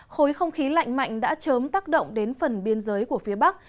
khối không khí lạnh mạnh đã chớm tác động đến phần biên giới của phía bắc